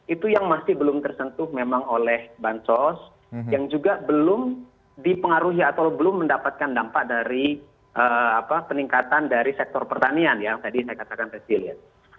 itu yang masih belum tersentuh memang oleh bansos yang juga belum dipengaruhi atau belum mendapatkan dampak dari peningkatan dari sektor pertanian yang tadi saya katakan resilient